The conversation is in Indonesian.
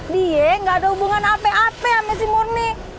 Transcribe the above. dia gak ada hubungan ape ape sama si murni